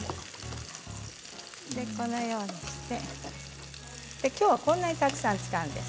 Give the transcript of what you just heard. このようにしてきょうはこんなにたくさん使うんです。